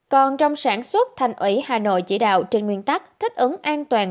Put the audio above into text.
còn trong sản xuất thành ủy hà nội chỉ đạo trên nguyên tắc thích ứng an toàn